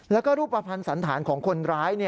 แล้วก็รูปภัณฑ์สันธารของคนร้าย